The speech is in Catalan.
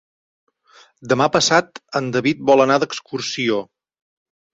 Demà passat en David vol anar d'excursió.